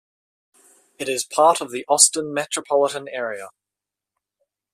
It is part of the Austin metropolitan area.